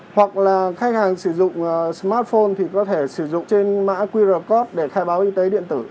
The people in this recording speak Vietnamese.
hoặc là khách hàng sử dụng smartphone thì có thể sử dụng trên mã qr code để khai báo y tế điện tử